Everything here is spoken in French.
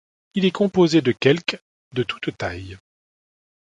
Il est composé de quelque de toutes tailles.